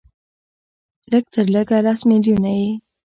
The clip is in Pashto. لږ تر لږه لس ملیونه یې